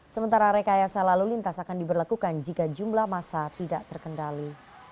sementara rekayasa lalu lintas akan diberlakukan jika jumlah masa tidak terkendali